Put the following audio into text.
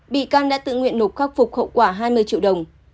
vị căn đã tự nguyện nộp khắc phục khẩu quả hai mươi triệu đồng